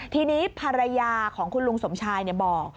ทีนี้ภรรยาของคุณลุงสมชายบอก